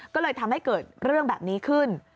ก็เลยทำให้เกิดเรื่องแบบนี้ขึ้น